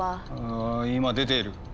あ今出ている。